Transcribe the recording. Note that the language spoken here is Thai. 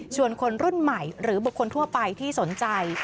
คนรุ่นใหม่หรือบุคคลทั่วไปที่สนใจ